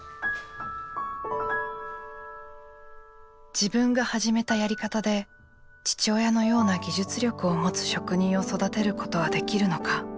自分が始めたやり方で父親のような技術力を持つ職人を育てることはできるのか。